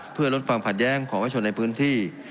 เพื่อลดความขัดแย้งของประชาชนในพื้นที่